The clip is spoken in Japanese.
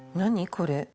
これ。